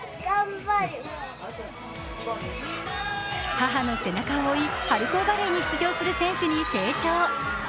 母の背中を追い、春高バレーに出場する選手に成長。